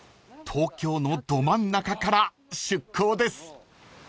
［東京のど真ん中から出港です］